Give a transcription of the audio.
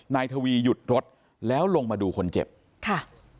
นายทวีหยุดรถแล้วลงมาดูคนเจ็บค่ะ